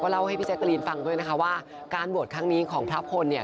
เล่าให้พี่แจ๊กรีนฟังด้วยนะคะว่าการบวชครั้งนี้ของพระพลเนี่ย